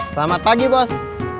selamat pagi bos